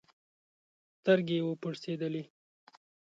سترګي یې وپړسېدلې